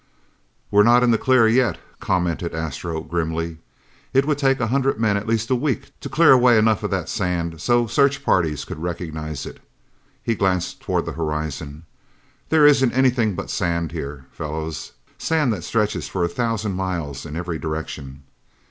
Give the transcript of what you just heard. "We're not in the clear yet!" commented Astro grimly. "It would take a hundred men at least a week to clear away enough of that sand so search parties could recognize it." He glanced toward the horizon. "There isn't anything but sand here, fellows, sand that stretches for a thousand miles in every direction."